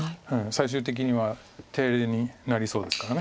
最終的には手入れになりそうですから。